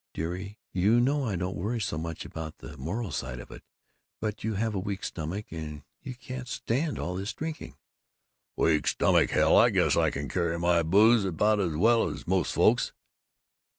Dearie, you know I don't worry so much about the moral side of it, but you have a weak stomach and you can't stand all this drinking." "Weak stomach, hell! I guess I can carry my booze about as well as most folks!"